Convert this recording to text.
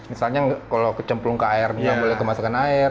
misalnya kalau kecemplung ke air nggak boleh kemasukan air